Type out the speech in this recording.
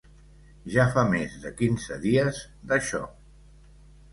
Ja fa més de quinze dies, d'això...